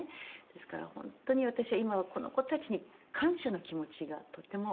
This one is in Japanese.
ですから本当に私は今はこの子たちに感謝の気持ちがとっても大きいです。